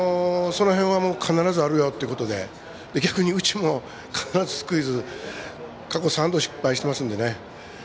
その辺は必ずあるよということで逆にうちも必ずスクイズ過去３度失敗してますのでね。